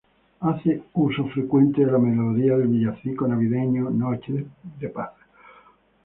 Hace uso frecuente de la melodía del villancico navideño, "Noche de paz".